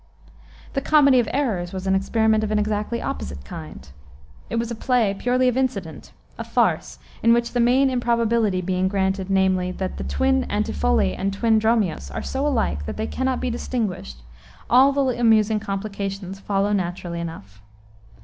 The Comedy of Errors was an experiment of an exactly opposite kind. It was a play, purely of incident; a farce, in which the main improbability being granted, namely, that the twin Antipholi and twin Dromios are so alike that they cannot be distinguished, all the amusing complications follow naturally enough.